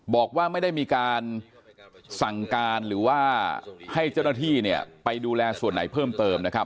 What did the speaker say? บอกว่าไม่ได้มีการสั่งการหรือว่าให้เจ้าหน้าที่เนี่ยไปดูแลส่วนไหนเพิ่มเติมนะครับ